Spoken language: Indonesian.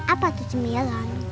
apa itu cemilan